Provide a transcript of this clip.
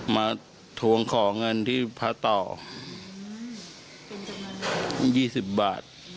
ทวงขอเงินที่พระต่อ๒๐บาท